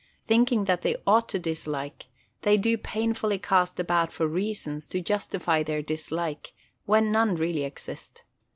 Thinking that they ought to dislike, they do painfully cast about for reasons to justify their dislike, when none really exist.